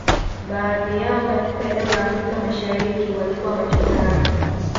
Baadhi yao katika eneo la Afrika Mashariki walikuwa machotara